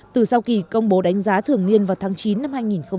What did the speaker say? từ sau kỳ công bố đánh giá thường nghiên vào tháng chín năm hai nghìn hai mươi ba